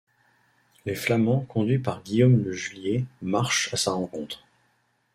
Les Flamands conduits par Guillaume de Juliers marche à sa rencontre.